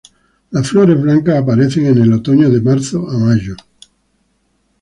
Las flores blancas aparecen en el otoño de marzo a mayo.